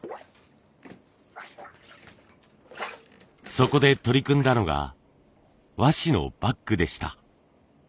そこで取り組んだのが和紙のバッグでした。